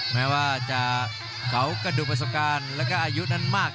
แม้ว่าจะเผากระดูกประสบการณ์แล้วก็อายุนั้นมาก